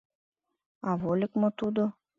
А вольык мо тудо?